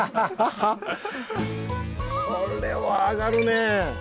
これは上がるね！